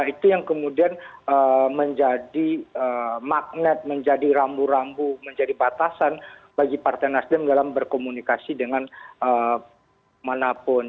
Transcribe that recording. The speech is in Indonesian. itu yang kemudian menjadi magnet menjadi rambu rambu menjadi batasan bagi partai nasdem dalam berkomunikasi dengan manapun